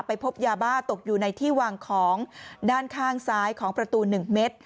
พบยาบ้าตกอยู่ในที่วางของด้านข้างซ้ายของประตู๑เมตร